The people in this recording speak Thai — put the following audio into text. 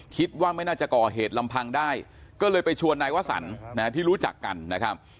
คิดว่าไม่น่าจะก่อเหตุลำพังได้ก็เลยไปชวนนายวสันที่รู้จักกันนะครับ